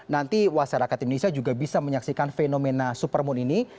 nanti masyarakat indonesia juga bisa menyaksikan fenomena supermoon ini